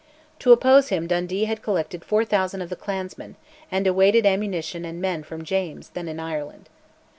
To oppose him Dundee had collected 4000 of the clansmen, and awaited ammunition and men from James, then in Ireland.